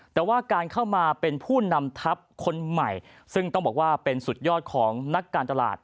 แต่ว่าการเข้ามาเป็นผู้นำทัพคนใหม่ซึ่งต้องบอกว่าเป็นสุดยอดของนักการตลาด